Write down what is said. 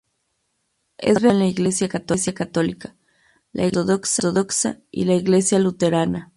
Es venerado en la Iglesia católica, la Iglesia ortodoxa, y la Iglesia Luterana